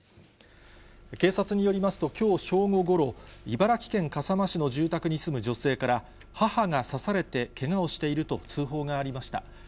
警察によりますと、きょう正午ごろ、茨城県笠間市の住宅に住む女性から、母が刺されてけがをしていると通報がありました。